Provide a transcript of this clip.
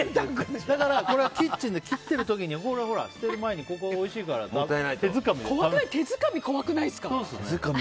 だから、これはキッチンで切ってる時にほらほら、捨てる前にここ、おいしいからって手づかみ、怖くないですか？